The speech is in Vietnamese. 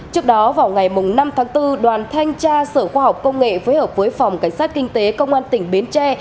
trước đó vào ngày năm tháng bốn đoàn thanh tra sở khoa học công nghệ phối hợp với phòng cảnh sát kinh tế công an tỉnh bến tre